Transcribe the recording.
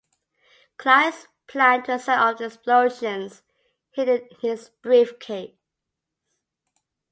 Kleist planned to set off explosives hidden in his briefcase.